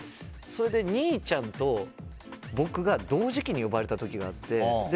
それで兄ちゃんと僕が同時期に呼ばれた時があって。